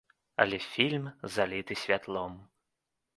Але фільм заліты святлом.